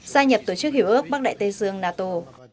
gia nhập tổ chức hiểu ước bắc đại tây dương nato